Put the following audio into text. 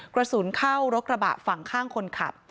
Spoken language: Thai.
กระสุนเข้ารกระบะฝั่งข้างคนขับ